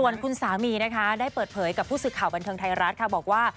ส่วนคุณสามีนะคะได้เปิดเผยกับผู้สื่อข่าวบันเทิงไทยรัฐค่ะบอกว่า